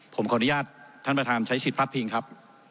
ผมขออนุญาตท่านประธานใช้สิทธิพลาดพิงครับ